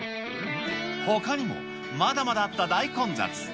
ほかにもまだまだあった大混雑。